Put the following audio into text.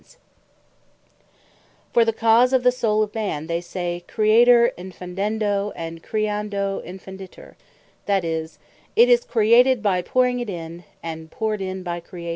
Powring In Of Soules For the cause of the Soule of Man, they say, Creatur Infundendo, and Creando Infunditur: that is, "It is Created by Powring it in," and "Powred in by Creation."